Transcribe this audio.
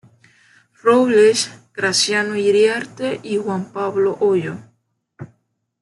Robles, Graciano Iriarte y Juan Pablo Ollo.